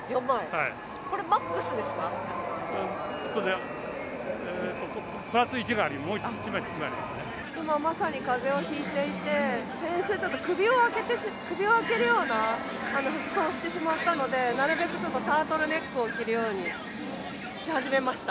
これ、マックスですかプラス１、今、まさにかぜをひいていて、先週ちょっと、首を開けるような服装をしてしまったので、なるべくちょっとタートルネックを着るようにし始めました。